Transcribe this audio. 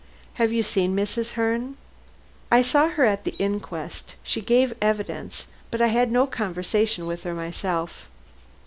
"Have you seen Mrs. Herne?" "I saw her at the inquest. She gave evidence. But I had no conversation with her myself."